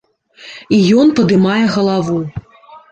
І ён падымае галаву.